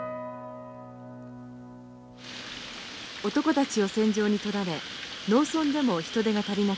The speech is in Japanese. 男たちを戦場に取られ農村でも人手が足りなくなります。